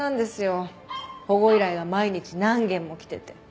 保護依頼が毎日何件も来てて。